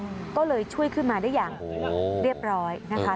ก็เลยช่วยขึ้นมาได้อย่างเรียบร้อยนะคะ